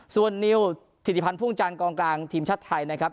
ส่วนนิวถิติพันธ์พ่วงจันทร์กองกลางทีมชาติไทยนะครับ